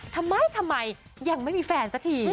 ทำไมทำไมยังไม่มีแฟนสักที